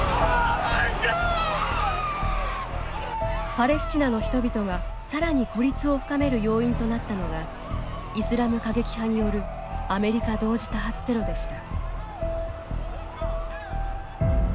パレスチナの人々がさらに孤立を深める要因となったのがイスラム過激派によるアメリカ同時多発テロでした。